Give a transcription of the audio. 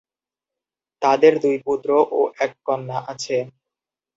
তাদের দুই পুত্র ও এক কন্যা আছে।